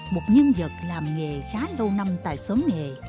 một nhân vật làm nghề khá lâu năm tại xóm nghề